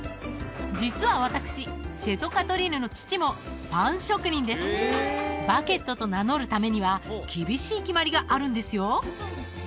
実は私瀬戸カトリーヌの父もパン職人ですバゲットと名乗るためには厳しい決まりがあるんですよ